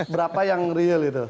berapa yang real itu